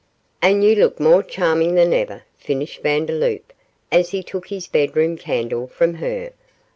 'And you look more charming than ever,' finished Vandeloup, as he took his bedroom candle from her.